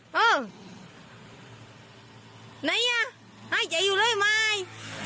ไหนอ่ะไห้เจ๋ยอยู่หรือไม่